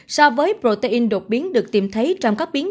so với protein đột biến được tìm thấy trong các biến